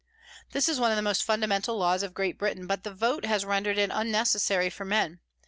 This is one of the most funda mental laws of Great Britain, but the vote has rendered it unnecessary for men.